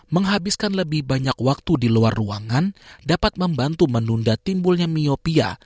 menghabiskan lebih banyak waktu di luar ruangan dapat membantu menunda timbulnya miopia